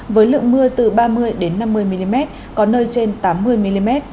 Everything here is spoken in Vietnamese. với lượng mưa từ ba mươi năm mươi mm có nơi trên tám mươi mm